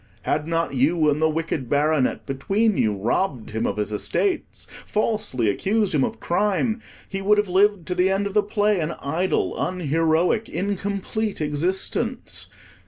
Had not you and the Wicked Baronet between you robbed him of his estates, falsely accused him of crime, he would have lived to the end of the play an idle, unheroic, incomplete existence.